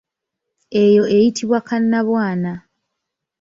Eyo eyitibwa kannabwana.